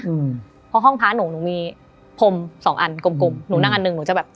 อืมเพราะห้องพระหนูหนูมีพรมสองอันกลมกลมหนูนั่งอันหนึ่งหนูจะแบบ